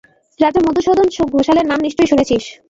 রাজা মধুসূদন ঘোষালের নাম নিশ্চয়ই শুনেছিস।